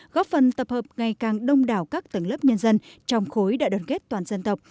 góp phần tập hợp ngày càng đông đảo các tầng lớp nhân dân trong khối đại đoàn kết toàn dân tộc